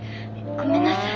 ごめんなさい。